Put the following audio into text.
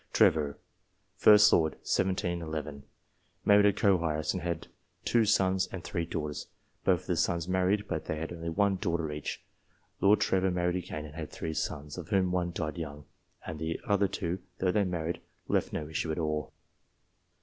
Trevor, 1st Lord (1711). Married first a co heiress, and had two sons and three daughters. Both of the sons married, but they had only one daughter each. Lord Trevor married again, and had three sons, of whom one died young, and the other two, though they married, left 110 issue at all.